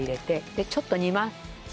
でちょっと煮ます。